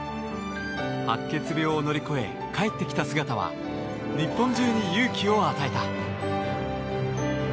白血病を乗り越え帰ってきた姿は日本中に勇気を与えた。